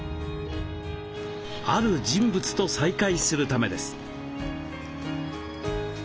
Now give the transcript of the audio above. ある人物と再会するためです。